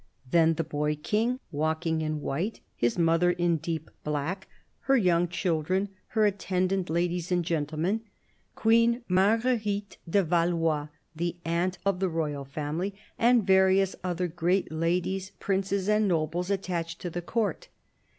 Then the boy King, walking in white, his mother in deep black, her young children, her attendant ladies and gentlemen ; Queen Marguerite de Valois, the "aunt" of the Royal Family, and various other great ladies, princes, and nobles attached to the Court.